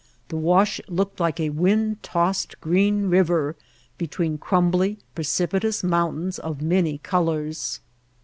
The wash looked like a wind tossed green river be tween crumbly, precipitous mountains of many colors.